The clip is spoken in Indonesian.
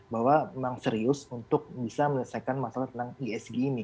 bahwa memang serius untuk bisa menyelesaikan masalah tentang isg ini